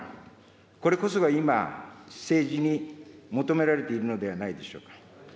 これこそが今、政治に求められているのではないでしょうか。